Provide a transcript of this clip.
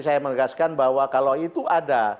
saya menegaskan bahwa kalau itu ada